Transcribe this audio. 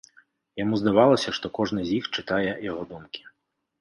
Яму здавалася, што кожны з іх чытае яго думкі.